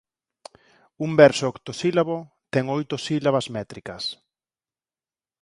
Un verso octosílabo ten oito sílabas métricas.